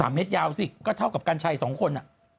เมตรยาวสิก็เท่ากับกัญชัย๒คน